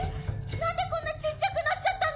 何でこんなちっちゃくなっちゃったの？